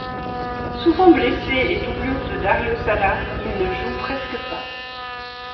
Souvent blessé et doublure de Darío Sala, il ne joue presque pas.